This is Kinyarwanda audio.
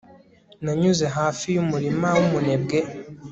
nanyuze hafi y'umurima w'umunebwe